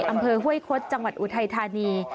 อำเภอห้วยคดจังหวัดอุทัยธานี